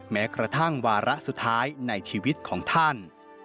แม้กระทั่งวาระสุดท้ายในชีวิตของท่าน